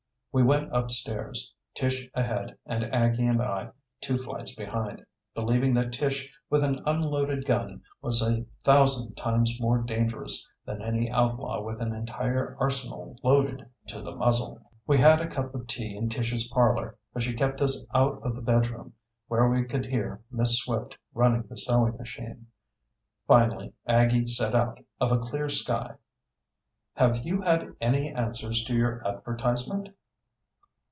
We went upstairs, Tish ahead and Aggie and I two flights behind, believing that Tish with an unloaded gun was a thousand times more dangerous than any outlaw with an entire arsenal loaded to the muzzle. We had a cup of tea in Tish's parlor, but she kept us out of the bedroom, where we could hear Miss Swift running the sewing machine. Finally Aggie said out of a clear sky: "Have you had any answers to your advertisement?"